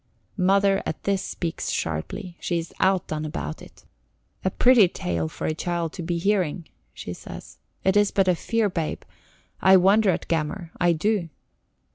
Mother at this speaks sharply. She is outdone about it. "A pretty tale for a child to be hearing," she says. "It is but a fearbabe. I wonder at Gammer, I do."